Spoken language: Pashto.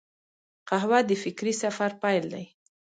قهوه د فکري سفر پیل دی